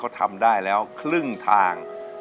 ร้องได้ให้ล้าง